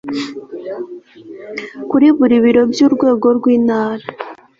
kuri buri biro by urwego rw intara